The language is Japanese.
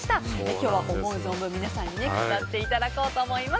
今日は思う存分、皆さんに語っていただこうと思います。